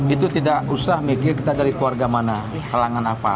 itu tidak usah megi kita dari keluarga mana kalangan apa